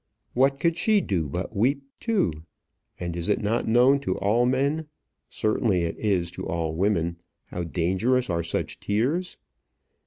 What could she do but weep too? And is it not known to all men certainly it is to all women how dangerous are such tears?